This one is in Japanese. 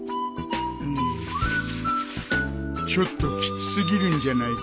んちょっときつ過ぎるんじゃないかい？